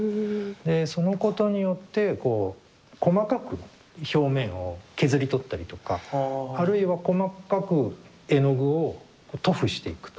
そのことによってこう細かく表面を削り取ったりとかあるいは細かく絵の具を塗布していくと。